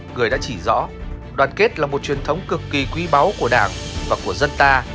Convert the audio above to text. người đã chỉ rõ đoàn kết là một truyền thống cực kỳ quý báu của đảng và của dân ta